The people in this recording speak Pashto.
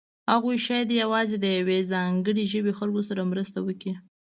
هغوی شاید یوازې د یوې ځانګړې ژبې خلکو سره مرسته وکړي.